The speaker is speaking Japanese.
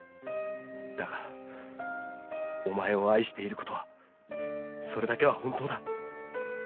だがお前を愛している事はそれだけは本当だ！